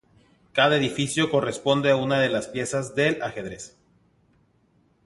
Cada edificio corresponde a una de las piezas del ajedrez.